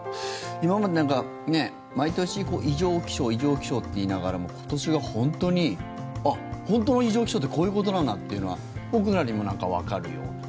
今まで、なんか毎年異常気象、異常気象って言いながらも今年は本当にあっ、本当の異常気象ってこういうことなんだというのは僕らにもなんかわかるような。